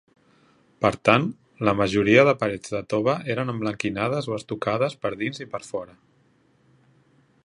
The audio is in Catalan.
Per tant, la majoria de parets de tova eren emblanquinades o estucades per dins i per fora.